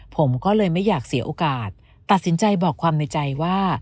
ผมก็เลยไม่อยากเสียโอกาสตัดสินใจบอกความในใจว่า